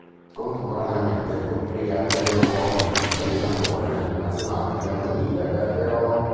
Contemporaneamente ricoprì anche il ruolo di vice-allenatore nella Nazionale femminile verdeoro.